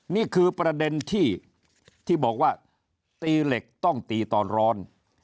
นี่คือประเด็นที่บอกว่าตีเหล็กต้องตีตอนร้อน